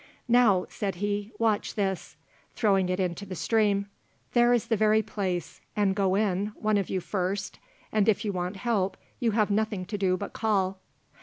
"Now," said he, "watch this," throwing it into the stream; "there is the very place, and go in, one of you first, and if you want help, you have nothing to do but call."